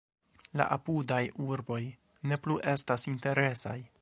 La apudaj urboj ne plu estas interesaj.